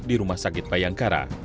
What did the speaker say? di rumah sakit bayangkara